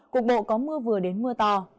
cục bộ có mưa vừa đến mưa to